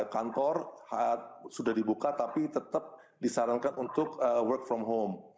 kantor sudah dibuka tapi tetap disarankan untuk work from home